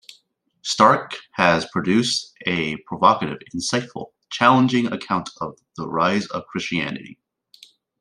Stark has produced a provocative, insightful, challenging account of the rise of Christianity.